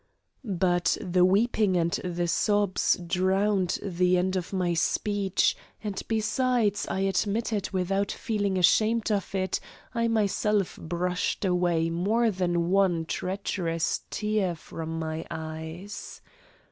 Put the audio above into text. But the weeping and the sobs drowned the end of my speech, and besides, I admit it without feeling ashamed of it, I myself brushed away more than one treacherous tear from my eyes.